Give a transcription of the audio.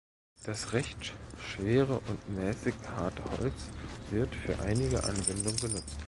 Das recht schwere und mäßig harte Holz wird für einige Anwendung genutzt.